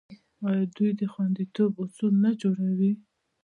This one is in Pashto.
آیا دوی د خوندیتوب اصول نه جوړوي؟